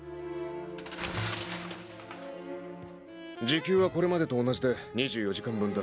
時給はこれまでと同じで２４時間分出す。